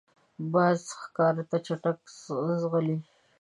باز ښکار ته چټک ځغلي